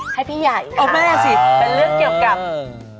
ให้พี่ใหญ่ค่ะเป็นเรื่องเกี่ยวกับอ๋อแม่สิ